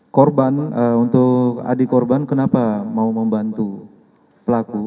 korban untuk adik korban kenapa mau membantu pelaku